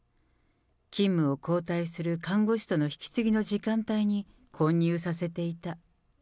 勤務を交代する看護師との引き継ぎの時間帯に、混入させていた。